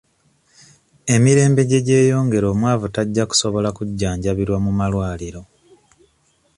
Emirembe gye gyeyongera omwavu tajja kusobola kujjanjabirwa mu malwaliro.